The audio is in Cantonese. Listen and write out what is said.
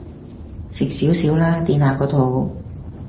食少少啦，墊下個肚